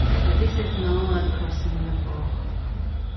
This is known as crossing the floor.